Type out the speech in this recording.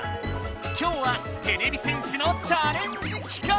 今日はてれび戦士のチャレンジ企画！